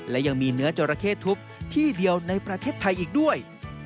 และยังมีเนื้อจราเข้ทุบที่เดียวในประเทศไทยอีกด้วย